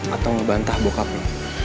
atau ngebantah bokap lo